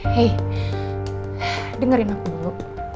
hei dengerin aku dulu